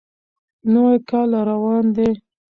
نوی کال را روان دی.